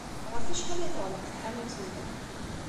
Ɣef wacḥal ay tɣelleq tḥanut-nni?